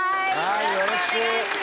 よろしくお願いします。